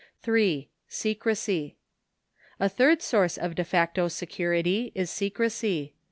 3. Secrecy. A third source of de facto security is secrecy.